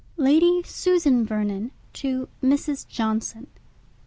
X _Lady Susan Vernon to Mrs. Johnson.